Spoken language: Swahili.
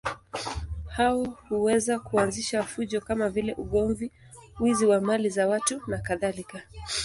Hao huweza kuanzisha fujo kama vile ugomvi, wizi wa mali za watu nakadhalika.